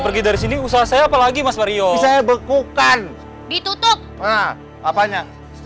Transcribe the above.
pergi dari sini usaha saya apalagi mas mario saya bekukan ditutup apanya